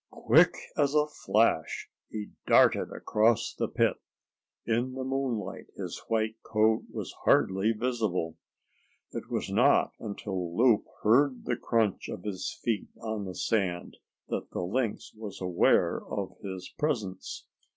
Quick as a flash he darted across the pit. In the moonlight his white coat was hardly visible. It was not until Loup heard the crunch of his feet on the sand that the Lynx was aware of his presence.